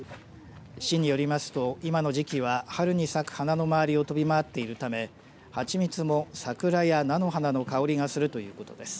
市によりますと今の時期は春に咲く花の周りを飛び回っているため蜂蜜も桜や菜の花の香りがするということです。